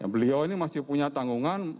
beliau ini masih punya tanggungan